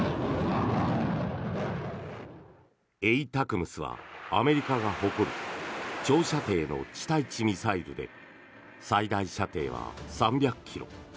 ＡＴＡＣＭＳはアメリカが誇る長射程の地対地ミサイルで最大射程は３００ｋｍ。